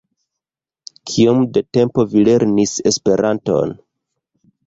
Kiom de tempo vi lernis Esperanton?